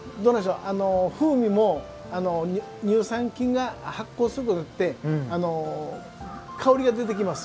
風味も乳酸発酵が発酵することによって香りが出てきます。